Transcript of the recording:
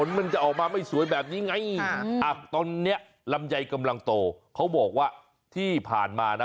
มันจะออกมาไม่สวยแบบนี้ไงอ่ะตอนนี้ลำไยกำลังโตเขาบอกว่าที่ผ่านมานะ